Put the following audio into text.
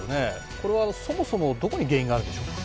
これはそもそもどこに原因があるんでしょうか？